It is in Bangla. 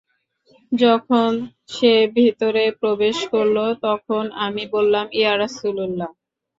যখন সে ভিতরে প্রবেশ করল, তখন আমি বললাম, ইয়া রাসূলাল্লাহ!